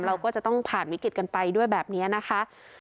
เราก็จะต้องผ่านวิกฤตกันไปด้วยแบบนี้นะคะ